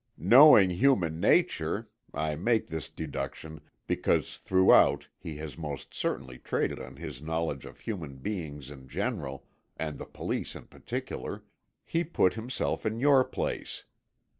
"Knowing human nature (I make this deduction because throughout he has most certainly traded on his knowledge of human beings in general, and the police in particular), he put himself in your place.